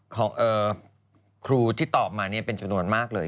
ของครูที่ตอบมาเป็นจำนวนมากเลย